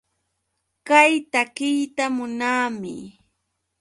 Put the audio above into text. Kay takiyta munaami.